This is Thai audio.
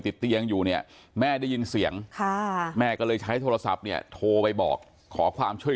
ติดเตียงได้ยินเสียงลูกสาวต้องโทรศัพท์ไปหาคนมาช่วย